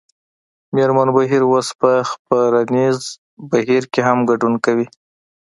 مېرمن بهیر اوس په خپرنیز بهیر کې هم ګډون کوي